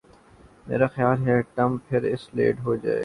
میرا خیال ہے ٹام پھر سے لیٹ ہو جائے گا